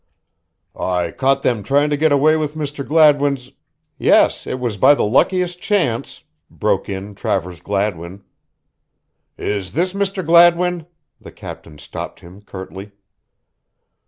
"I caught them trying to get away with Mr. Gladwin's" "Yes, it was by the luckiest chance," broke in Travers Gladwin. "Is this Mr. Gladwin?" the captain stopped him, curtly.